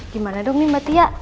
gimana dong nih mbak tia